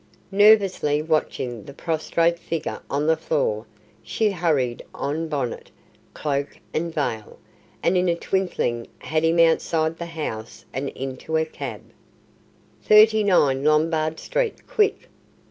Nervously watching the prostrate figure on the floor, she hurried on bonnet, cloak, and veil, and in a twinkling had him outside the house and into a cab. "Thirty nine, Lombard Street. Quick!"